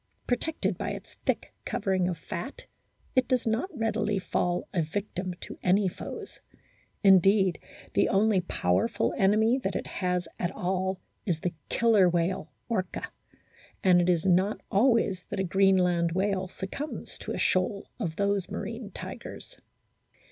Protected by its thick covering of fat, it does not readily fall a victim to any foes ; indeed, the only powerful enemy that it has at all is the Killer whale, Orca, and it is not always that a Greenland whale succumbs to a shoal of those marine tigers.